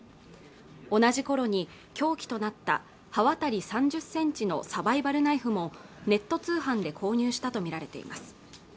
同じ頃に凶器となった刃渡り３０センチのサバイバルナイフもネット通販で購入したと見られています